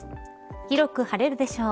広く晴れるでしょう。